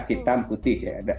hitam putih ya